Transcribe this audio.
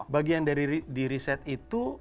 bagian dari di riset itu apakah itu